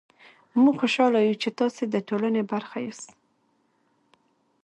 موژ خوشحاله يو چې تاسې ده ټولني برخه ياست